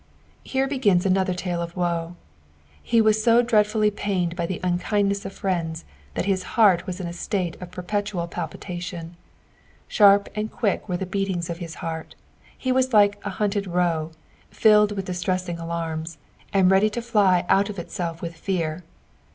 Here be^s aoother tale of woe. He was so dread fallj pained bf the uDlcindnegs of fneada, that hia heart was in a state ot per petual pUpitatioD. Bhup and quick were the beatinga of his heart ; ha was like a banted roe, filled with distresaini^ alarms, and ready to fly out of itself with fe&r.